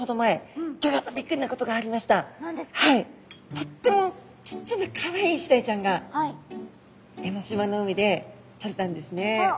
とってもちっちゃなかわいいイシダイちゃんが江の島の海でとれたんですね。